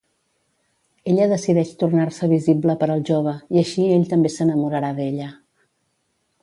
Ella decideix tornar-se visible per al jove, i així ell també s'enamorarà d'ella.